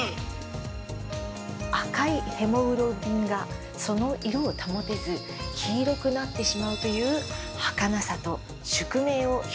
赤いヘモグロビンがその色を保てず黄色くなってしまうという儚さと宿命を表現してみました。